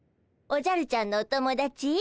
おじゃるちゃんのお友だち？